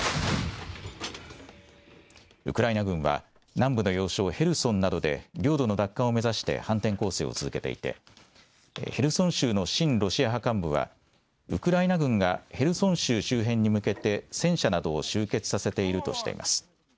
ウクライナ軍は、南部の要衝ヘルソンなどで、領土の奪還を目指して反転攻勢を続けていて、ヘルソン州の親ロシア派幹部は、ウクライナ軍がヘルソン州周辺に向けて戦車などを集結させているとしています。